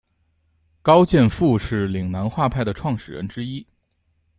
高剑父是岭南画派的创始人之一。